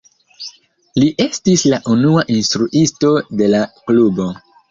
Li estis la unua instruisto de la klubo.